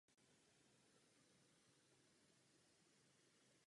Matka Vera byla učitelka a její předci pocházeli z Německa a Polska.